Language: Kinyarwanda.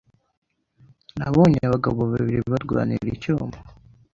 Nabonye abagabo babiri barwanira icyuma.